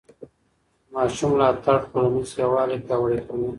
د ماشوم ملاتړ ټولنیز یووالی پیاوړی کوي.